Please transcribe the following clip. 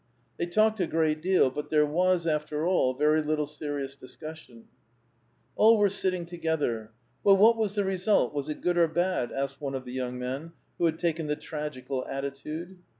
They talked a great deal ; but there was, after all, very little serious discussion. All were sitting together. " Well, what was the result? Was it good or bad ?" asked one of the young men, who had taken the tragical attitude.